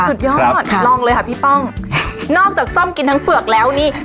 สุดยอดลองเลยค่ะพี่ป้องนอกจากซ่อมกินทั้งเปลือกแล้วนี่